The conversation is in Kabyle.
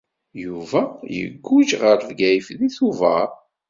Yuba yegguǧ ɣer Bgayet deg Tubeṛ.